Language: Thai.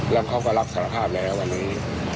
แล้วเขาก็รับสารภาพแล้ววันนี้